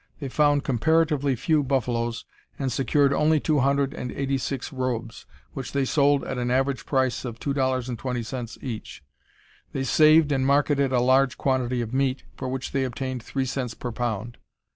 They found comparatively few buffaloes, and secured only two hundred and eighty six robes, which they sold at an average price of $2.20 each. They saved and marketed a large quantity of meat, for which they obtained 3 cents per pound.